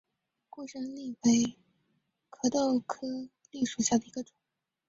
贡山栎为壳斗科栎属下的一个种。